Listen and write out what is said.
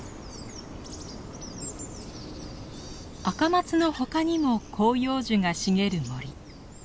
アカマツの他にも広葉樹が茂る森。